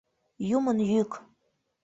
Юмын йӱк.